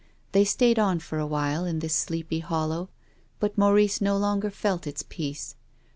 They stayed on for awhile in this Sleepy Hollow, but Maurice no longer felt its peace.